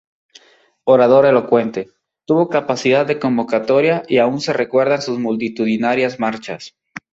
Orador elocuente, tuvo capacidad de convocatoria y aún se recuerdan sus multitudinarias marchas.